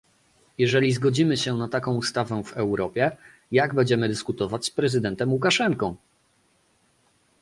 Jeżeli zgodzimy się na taką ustawę w Europie, jak będziemy dyskutować z prezydentem Łukaszenką?